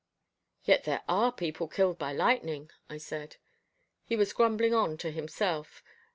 "Yet there are people killed by lightning," I said. He was grumbling on to himself.